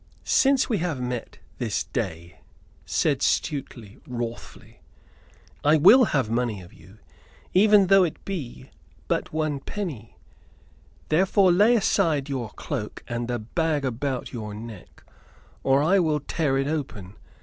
"Since we have met this day," said Stuteley, wrathfully, "I will have money of you, even though it be but one penny. Therefore, lay aside your cloak and the bag about your neck; or I will tear it open.